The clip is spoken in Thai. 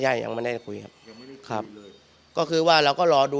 ใช่ใช่ยังไม่ได้คุยครับยังไม่ได้คุยเลยครับก็คือว่าเราก็รอดู